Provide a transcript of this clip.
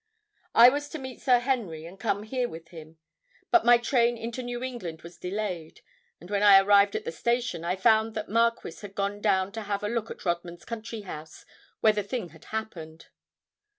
I was to meet Sir Henry and come here with him. But my train into New England was delayed, and when I arrived at the station, I found that Marquis had gone down to have a look at Rodman's country house, where the thing had happened.